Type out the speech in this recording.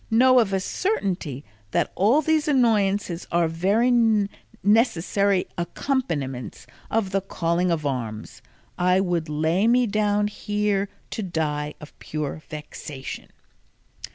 know of a certainty that all these annoyances are very necessary accompaniments of the calling of arms, I would lay me down here to die of pure vexation."